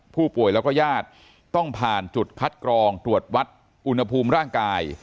ผู้ป่วยแล้วก็ญาติต้องผ่านจุดคัดกรองตรวจวัดอุณหภูมิร่างกาย